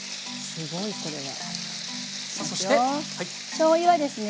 しょうゆはですね